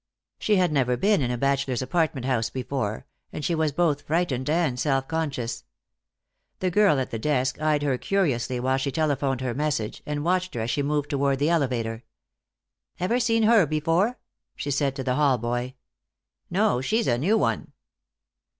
She had never been in a bachelors' apartment house before, and she was both frightened and self conscious. The girl at the desk eyed her curiously while she telephoned her message, and watched her as she moved toward the elevator. "Ever seen her before?" she said to the hall boy. "No. She's a new one."